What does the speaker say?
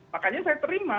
makanya saya terima